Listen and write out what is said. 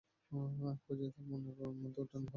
এক পর্যায়ে তার মনের মধ্যে উটনী হত্যা করার বাসনার উদ্রেক হয়।